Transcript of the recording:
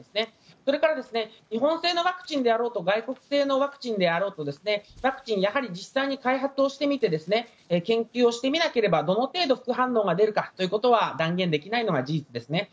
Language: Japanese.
それから日本製のワクチンであろうと外国製のワクチンであろうとワクチンやはり実際に開発をしてみて研究をしてみなければどの程度副反応が出るかわからないのが断言できないのが事実ですね。